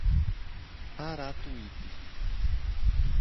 Aratuípe